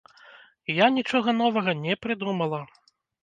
Я нічога новага не прыдумала.